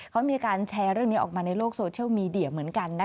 เขามีการแชร์เรื่องนี้ออกมาในโลกโซเชียลมีเดียเหมือนกัน